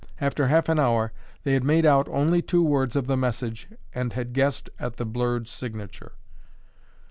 After half an hour, they had made out only two words of the message and had guessed at the blurred signature.